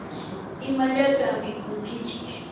Imallatam mikhunkichik.